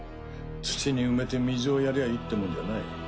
土に埋めて水をやりゃあいいってもんじゃない。